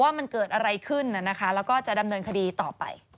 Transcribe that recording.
ว่ามันเกิดอะไรขึ้นแล้วก็จะดำเนินคดีต่อไป